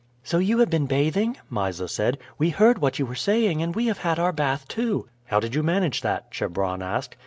"So you have been bathing?" Mysa said. "We heard what you were saying, and we have had our bath too." "How did you manage that?" Chebron asked.